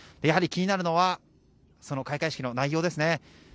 やはり気になるのはその開会式の内容ですね。